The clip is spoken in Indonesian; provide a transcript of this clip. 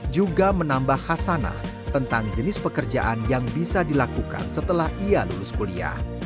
juga menambah khasanah tentang jenis pekerjaan yang bisa dilakukan setelah ia lulus kuliah